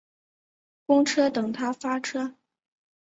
公车等他发车